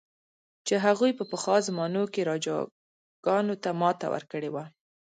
چې هغوی په پخوا زمانو کې راجاګانو ته ماته ورکړې وه.